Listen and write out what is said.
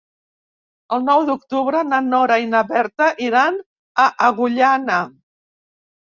El nou d'octubre na Nora i na Berta iran a Agullana.